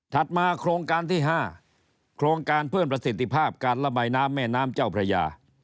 มาโครงการที่๕โครงการเพิ่มประสิทธิภาพการระบายน้ำแม่น้ำเจ้าพระยา